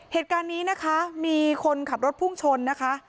เหตุการณ์นี้นะคะมีคนขับรถพุ่งชนนะคะ